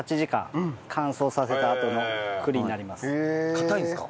硬いんですか？